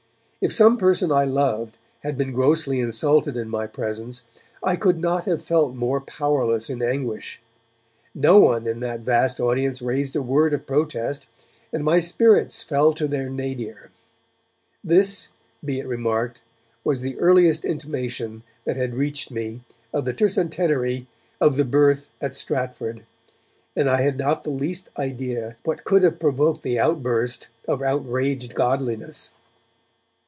If some person I loved had been grossly insulted in my presence, I could not have felt more powerless in anguish. No one in that vast audience raised a word of protest, and my spirits fell to their nadir. This, be it remarked, was the earliest intimation that had reached me of the tercentenary of the Birth at Stratford, and I had not the least idea what could have provoked the outburst of outraged godliness.